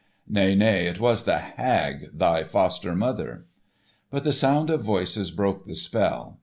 "Nay, nay, it was the hag, thy foster mother." But the sound of voices broke the spell.